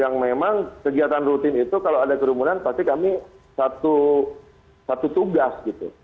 yang memang kegiatan rutin itu kalau ada kerumunan pasti kami satu tugas gitu